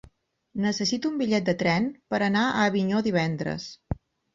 Necessito un bitllet de tren per anar a Avinyó divendres.